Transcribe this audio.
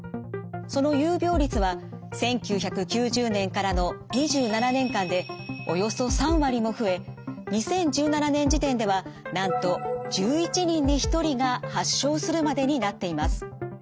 その有病率は１９９０年からの２７年間でおよそ３割も増え２０１７年時点ではなんと１１人に１人が発症するまでになっています。